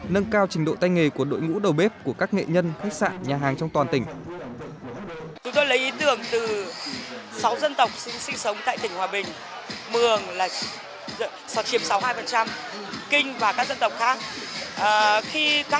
nâng cao trình độ tay nghề của đội ngũ đầu bếp của các nghệ nhân khách sạn nhà hàng trong toàn tỉnh